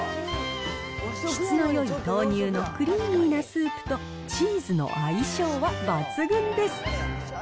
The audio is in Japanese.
質のよい豆乳のクリーミーなスープと、チーズの相性は抜群です。